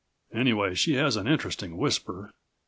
Anyway she has an interesting whisper.